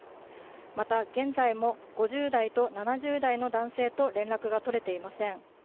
また現在も５０代と７０代の男性と連絡が取れていません。